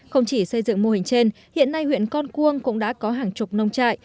không chỉ xây dựng mô hình trên hiện nay huyện con cuông cũng đã có hàng chục nông trại